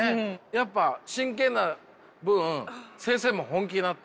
やっぱ真剣な分先生も本気になって今回。